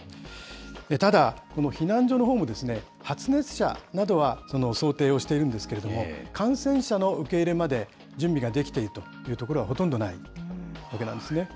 ただ、この避難所のほうも発熱者などは想定をしているんですけれども、感染者の受け入れまで準備ができているという所はほとんどないわけなんですね。